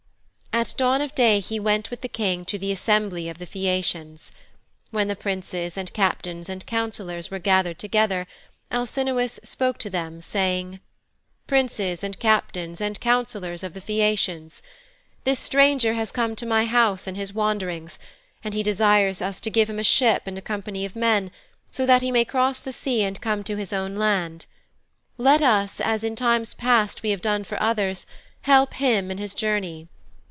At dawn of day he went with the King to the assembly of the Phæacians. When the Princes and Captains and Councillors were gathered together, Alcinous spoke to them saying: 'Princes and Captains and Councillors of the Phæacians! This stranger has come to my house in his wanderings, and he desires us to give him a ship and a company of men, so that he may cross the sea and come to his own land. Let us, as in times past we have done for others, help him in his journey.